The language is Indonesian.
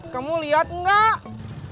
kamu liat gak